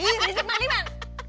rizek mang liman